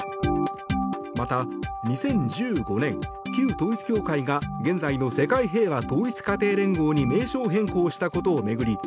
また、２０１５年旧統一教会が現在の世界平和統一家庭連合に名称変更したことを巡り